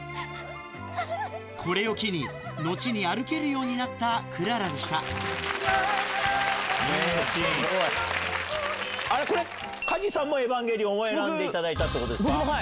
これを機に後に歩けるようになったクララでした梶さんも『エヴァンゲリオン』を選んでいただいたってことですか。